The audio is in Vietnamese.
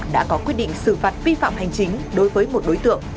đã có quyết định xử phạt vi phạm hành chính đối với một đối tượng